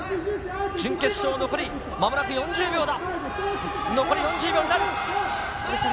準決勝残りまもなく４０秒だ。